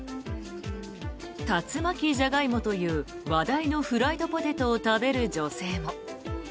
竜巻ジャガイモという話題のフライドポテトを食べる女性も。